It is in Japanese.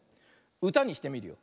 うたにしてみるよ。